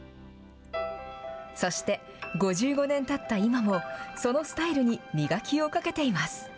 そして、５５年たった今も、そのスタイルに磨きをかけています。